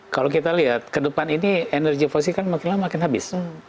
kalau kita lihat ke depan ini energi fosil kan makin lama makin habis